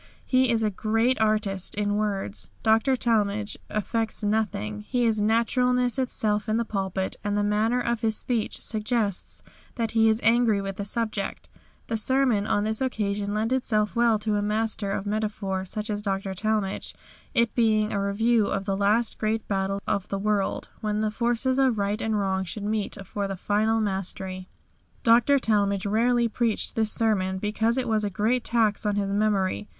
He is a great artist in words. Dr. Talmage affects nothing; he is naturalness itself in the pulpit, and the manner of his speech suggests that he is angry with his subject. The sermon on this occasion lent itself well to a master of metaphor such as Dr. Talmage, it being a review of the last great battle of the world, when the forces of right and wrong should meet for the final mastery." Dr. Talmage rarely preached this sermon because it was a great tax on his memory.